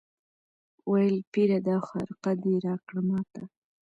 ویل پیره دا خرقه دي راکړه ماته